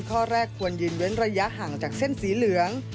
ข้อแรกควรยืนเว้นระยะห่างจากเส้นสีเหลือง